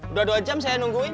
udah dua jam saya nungguin